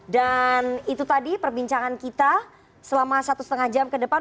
itu tadi perbincangan kita selama satu lima jam ke depan